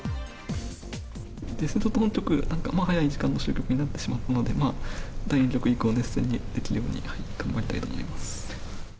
本局、早い時間での終局になってしまったので、第２局以降熱戦にできるように頑張りたいと思います。